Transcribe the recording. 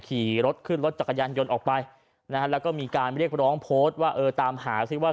ขี่รถขึ้นรถจักรยานยนต์ออกไปนะฮะแล้วก็มีการเรียกร้องโพสต์ว่าเออตามหาซิว่า